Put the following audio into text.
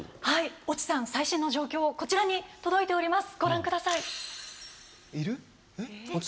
越智さん、最新情報はこちらに届いています。